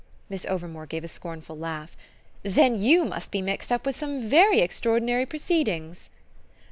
Miss Overmore gave a scornful laugh. "Then you must be mixed up with some extraordinary proceedings!"